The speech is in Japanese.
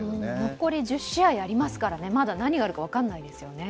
残り１０試合ありますから、まだ何があるか分からないですよね。